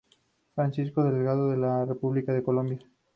Francisco Delgado de la República de Colombia.